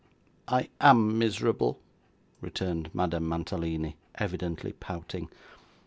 'I AM miserable,' returned Madame Mantalini, evidently pouting.